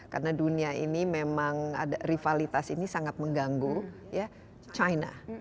karena dunia ini memang ada rivalitas ini sangat mengganggu china